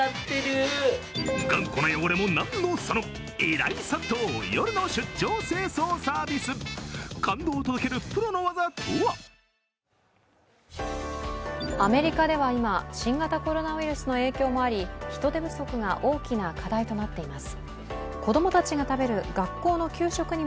アメリカでは今、新型コロナウイルスの影響もあり、人手不足が大きな課題となっています。